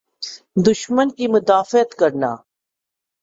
دشمن کی مدافعت کرنا۔